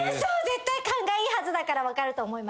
絶対勘がいいはずだから分かると思います。